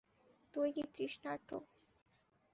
তুই কি তৃষ্ণার্ত?